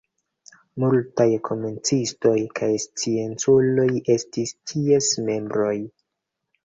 Multaj komercistoj kaj scienculoj estis ties membroj.